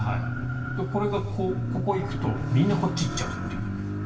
これがここに行くとみんなこっち行っちゃうという。